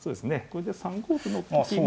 これで３五歩の時